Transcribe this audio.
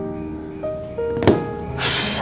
sampai ketemu besok